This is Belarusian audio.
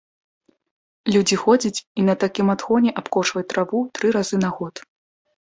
Людзі ходзяць і на такім адхоне абкошваюць траву тры разы на год.